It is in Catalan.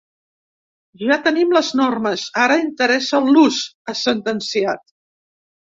“Ja tenim les normes, ara interessa l’ús”, ha sentenciat.